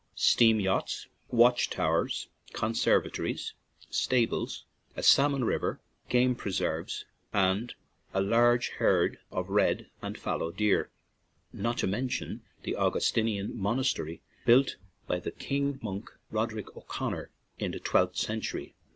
steam yachts, watch towers, conservatories, stables, a salmon river, 67 ON AN IRISH JAUNTING CAR game preserves, and large herds of red and fallow deer, not to mention the Au gustinian monastery built by the king monk Roderic O'Conor in the twelfth century.